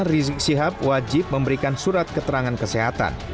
rizik syihab wajib memberikan surat keterangan kesehatan